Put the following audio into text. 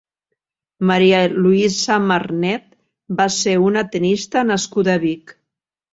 María Luisa Marnet va ser una tennista nascuda a Vic.